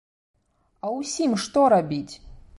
А ўсім што рабіць?